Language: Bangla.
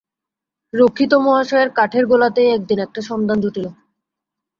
রক্ষিত মহাশয়ের কাঠের গোলাতেই একদিন একটা সন্ধান জুটিল।